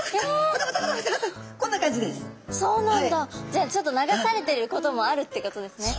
じゃあちょっと流されてることもあるってことですね。